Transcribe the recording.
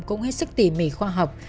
cũng hết sức tỉ mỉ khoa học